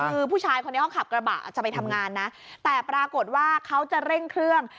คือผู้ชายคนนี้เขาขับกระบะจะไปทำงานนะแต่ปรากฏว่าเขาจะเร่งเครื่อง